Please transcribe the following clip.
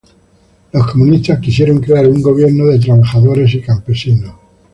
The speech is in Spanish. Los comunistas quisieron crear un gobierno de trabajadores y campesinos.